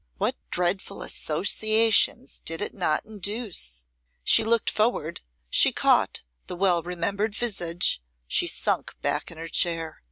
What dreadful associations did it not induce! She looked forward, she caught the well remembered visage; she sunk back in her chair.